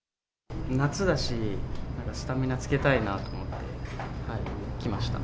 夏だし、なんかスタミナつけたいなと思って来ました。